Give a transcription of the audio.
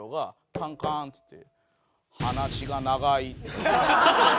カンカン！っつって。